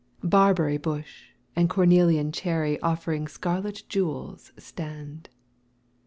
Barberry bush and cornelian cherry Offering scarlet jewels stand.